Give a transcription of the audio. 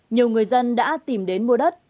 nhiều người dân đã tìm đến mua đất